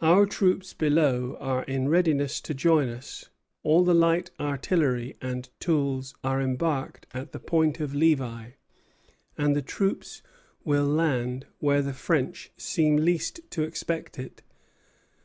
Our troops below are in readiness to join us; all the light artillery and tools are embarked at the Point of Levi; and the troops will land where the French seem least to expect it.